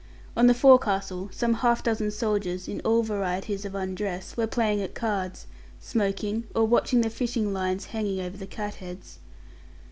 On the forecastle, some half dozen soldiers, in all varieties of undress, were playing at cards, smoking, or watching the fishing lines hanging over the catheads.